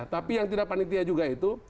tapi yang tidak panitia juga itu